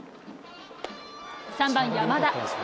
３番山田。